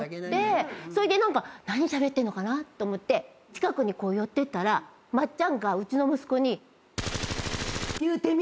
そいで何しゃべってんのかな？と思って近くに寄ってったら松ちゃんがうちの息子に。